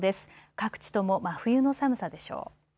各地とも真冬の寒さでしょう。